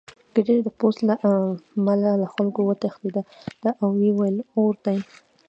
ګیدړې د پوست له امله له خلکو وتښتېده او ویې ویل اور دی